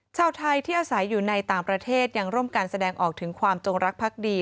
ชาวไทยที่อาศัยอยู่ในต่างประเทศยังร่วมกันแสดงออกถึงความจงรักพักดี